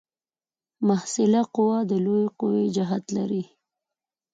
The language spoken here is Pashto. محصله قوه د لویې قوې جهت لري.